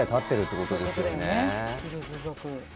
ヒルズ族。